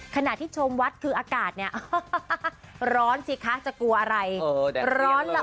ขณะที่ชมวัดคืออากาศเนี้ยร้อนสิคะจะกลัวอะไรโอ้โหแดดเสียงเลย